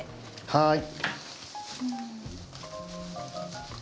はい。